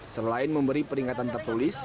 selain memberi peringatan tertulis